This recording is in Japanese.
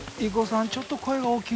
ちょっと声が大きいなあ。